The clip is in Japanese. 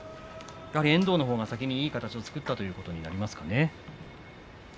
遠藤のほうが先にいい形を作ったということになりますか。